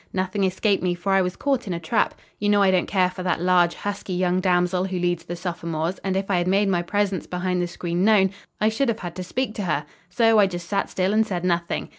"Nothing escaped me, for I was caught in a trap. You know I don't care for that large, husky young damsel who leads the sophomores, and if I had made my presence behind the screen known, I should have had to speak to her. So I just sat still and said nothing.